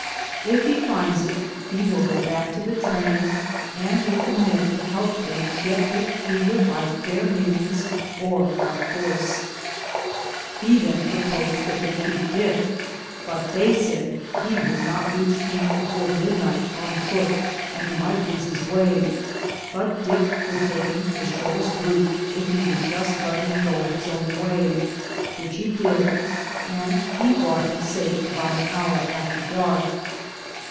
If he finds it, he will go back to the train and get the men to help him get it either by fair means or by force. He then proposed that they keep Dick, but they said he would not reach camp before midnight on foot and he might lose his way, but Dick would take him the shortest route if he w^ould just let him go his own way. DAYS ON THE ROAD. 217 which he did, and he brought him safe about an hour after dark.